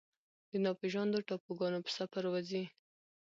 د ناپیژاندو ټاپوګانو په سفر وځي